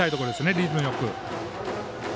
リズムよく。